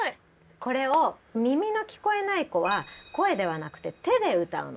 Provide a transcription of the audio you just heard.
これを耳の聴こえない子は声ではなくて手で歌うの。